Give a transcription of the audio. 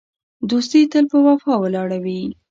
دوستي تل په وفا ولاړه وي.